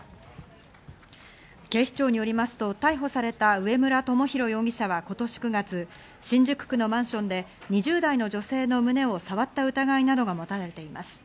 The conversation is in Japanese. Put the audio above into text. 警視庁によりますと、逮捕された上村朋弘容疑者は今年９月、新宿区のマンションで２０代の女性の胸を触った疑いなどが持たれています。